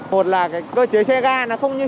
một là cái cơ chế xe ga nó không như